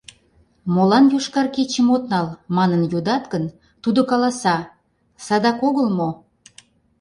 «Молан «Йошкар кечым» от нал?» манын йодат гын, тудо каласа: «Садак огыл мо?..